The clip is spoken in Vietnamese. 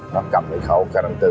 nó cầm cái khẩu carantê